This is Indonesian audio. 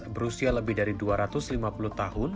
berusia lebih dari dua ratus lima puluh tahun